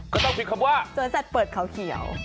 ก็ต้องมีคำว่าสวนสัตว์เปิดเขาเขียว